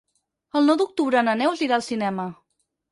El nou d'octubre na Neus irà al cinema.